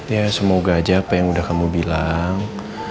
ya semoga aja apa yang udah kamu bilang